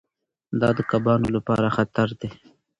دا د کبانو لپاره خطر دی.